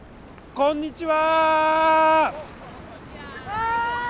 こんにちは。